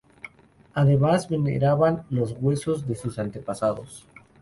Además, veneraban los huesos de sus antepasados.